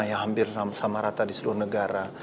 yang hampir sama rata di seluruh negara